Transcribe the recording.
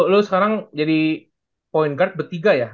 lo sekarang jadi point guard bertiga ya